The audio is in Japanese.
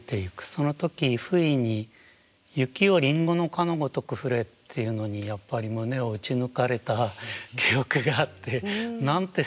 その時ふいに「雪よ林檎の香のごとくふれ」っていうのにやっぱり胸を打ち抜かれた記憶があってなんて